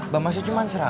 bapak masih cuma seratus